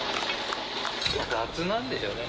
雑なんでしょうね。